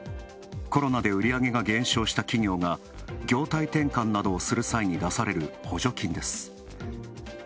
コロナで売り上げが減少した企業が業態転換などをする際に出される補助金です。